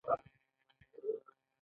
هغه د خزان پر څنډه ساکت ولاړ او فکر وکړ.